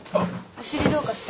お尻どうかした？